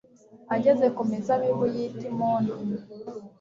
ageze ku mizabibu y'i timuna